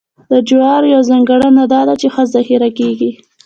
د جوارو یوه ځانګړنه دا ده چې ښه ذخیره کېږي.